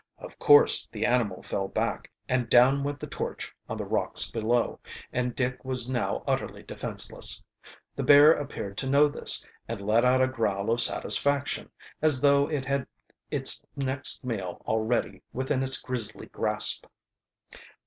Of course the animal fell back, and down went the torch on the rocks below, and Dick was now utterly defenseless. The bear appeared to know this, and let out a growl of satisfaction, as though it had its next meal already within its grizzly grasp.